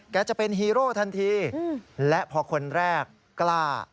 จะเป็นฮีโร่ทันทีและพอคนแรกกล้า